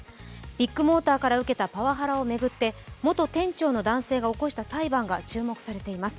ビッグモーターから受けたパワハラを巡って、元店長の男性が起こした裁判が注目されています。